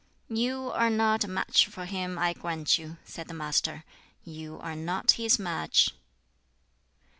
"You are not a match for him, I grant you," said the Master. "You are not his match."